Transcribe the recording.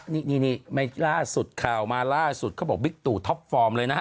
นี่ล่าสุดข่าวมาล่าสุดเขาบอกบิ๊กตู่ท็อปฟอร์มเลยนะฮะ